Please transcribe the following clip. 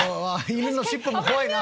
犬の尻尾も怖いな！